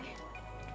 ini dia kita